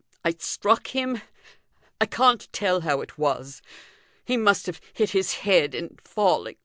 I struck him I can't tell how it was. He must have hit his head in falling.